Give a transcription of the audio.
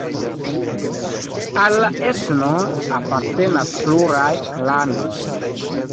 Al la etno apartenas pluraj klanoj.